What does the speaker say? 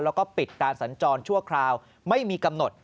แล้วก็ปิดการสัญจรชั่วคราวไม่มีกำหนด